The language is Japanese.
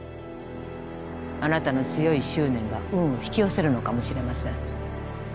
あなたの強い執念が運を引き寄せるのかもしれません